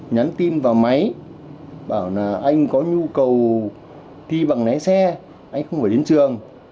nhắn tin vào máy bảo là anh có nhu cầu thi bằng lái xe anh không phải đến trường